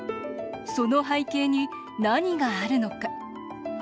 その背景に何があるのか。